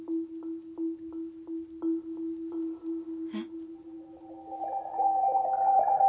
えっ？